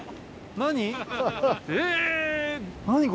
何？